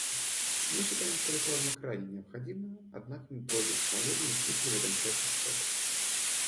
Мы считаем, что реформа крайне необходима, однако мы против установления каких-либо конкретных сроков.